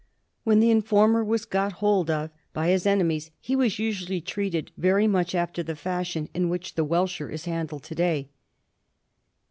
When the informer was got hold of by his enemies he was usually treated very much after the fashion in which the welsher is handled to day.